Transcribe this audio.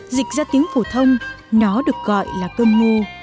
dịch ra tiếng phổ thông nó được gọi là cơm ngô